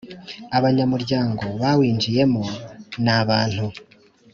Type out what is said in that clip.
Abanyamuryango bawinjiyemo ni abantu